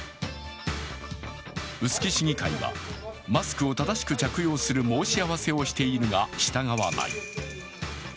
臼杵市議会はマスクを正しく着用する申し合わせをしているが従わない。